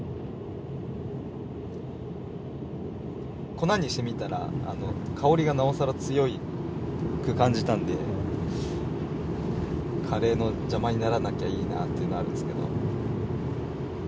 粉にしてみたら香りがなおさら強く感じたのでカレーの邪魔にならなきゃいいなというのはあるんですけど。